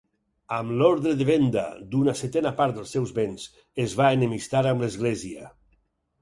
Amb l'ordre de venda d'una setena part dels seus béns, es va enemistar amb l'Església.